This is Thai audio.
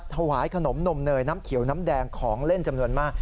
ถวายขนมนมเนยน้ำเขียวน้ำแดงของเล่นจำนวนมาก